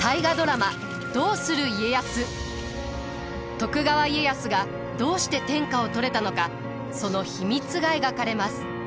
徳川家康がどうして天下を取れたのかその秘密が描かれます。